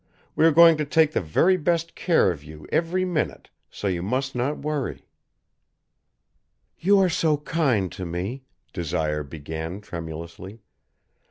We are going to take the very best care of you every minute, so you must not worry." "You are so kind to me," Desire began tremulously.